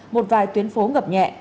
một vài tuyến phố ngập nhẹ